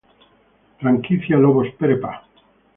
Franquicia Lobos Prepa